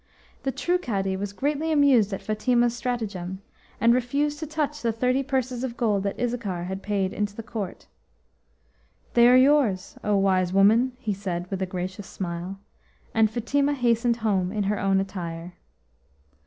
The true Cadi was greatly amused at Fatima's stratagem, and refused to touch the thirty purses of gold that Issachar had paid into the court. "They are yours, O wise woman," he said with a gracious smile, and :Fatima hastened home in her own attire.